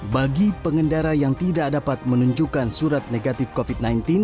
bagi pengendara yang tidak dapat menunjukkan surat negatif covid sembilan belas